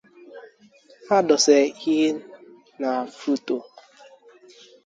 There was a depot at Fruto.